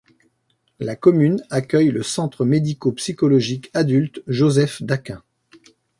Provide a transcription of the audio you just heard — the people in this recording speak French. La commune accueille le centre médico-psychologique adultes Joseph-Daquin.